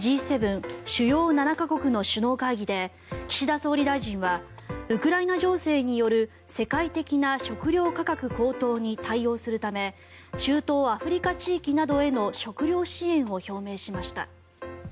主要７か国の首脳会議で岸田総理大臣はウクライナ情勢による世界的な食糧価格高騰に対応するため中東・アフリカ地域などへの食糧支援を表明しました。